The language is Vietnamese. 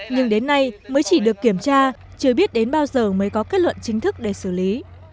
nhưng đến nay mới chỉ được kiểm tra chưa biết đến bao giờ mới có kết luận chính thức để xử lý